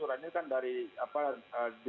ini kan saya dengar ini kebijakan yang menantangannya